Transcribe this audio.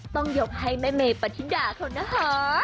ต้องหยกให้แม่เมปัจจินด่าเขานะฮะ